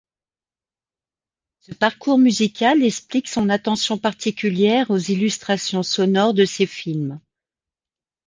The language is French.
Ce parcours musical explique son attention particulière aux illustrations sonores de ses films.